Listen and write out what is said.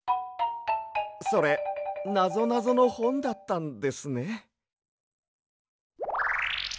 それなぞなぞのほんだったんですね。